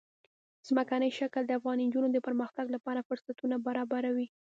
ځمکنی شکل د افغان نجونو د پرمختګ لپاره فرصتونه برابروي.